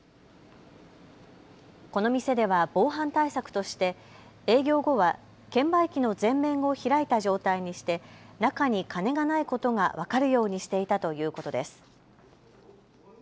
この店では防犯対策として営業後は券売機の前面を開いた状態にして中に金がないことが分かるようにしていたということです。